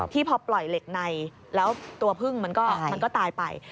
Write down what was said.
พอปล่อยเหล็กในแล้วตัวพึ่งมันก็ตายไป